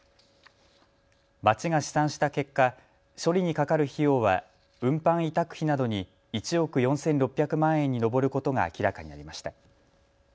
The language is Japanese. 町が試算した結果、処理にかかる費用は運搬委託費などに１億４６００万円に上ることが明らかになりました。